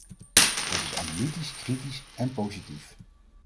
Dat is analytisch, kritisch en positief.